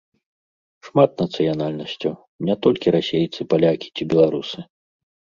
Шмат нацыянальнасцяў, не толькі расейцы, палякі ці беларусы.